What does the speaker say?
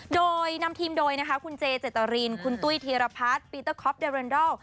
โดยนำทีมโดยนะคะคุณเจเจตรินคุณตุ้ยธีรพัฒน์ปีเตอร์คอปเดเรนดอล